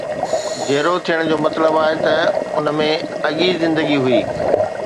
جيئرو ٿيڻ جو مطلب آهي ته ان ۾ اڳي زندگي هئي.